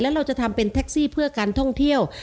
เราจะทำเป็นแท็กซี่เพื่อการท่องเที่ยว